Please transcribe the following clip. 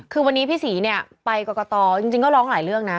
คือวันนี้พี่ศรีเนี่ยไปกรกตจริงก็ร้องหลายเรื่องนะ